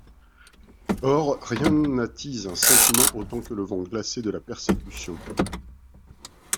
Or, rien n’attise un sentiment autant que le vent glacé de la persécution.